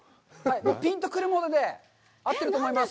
ぴんとくるもので合ってると思います。